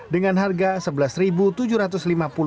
dengan harga rp sebelas